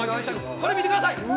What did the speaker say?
これ見てください！